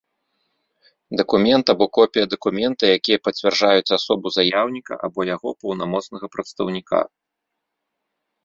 Дакумент або копiя дакумента, якiя пацвярджаюць асобу заяўнiка або яго паўнамоцнага прадстаўнiка.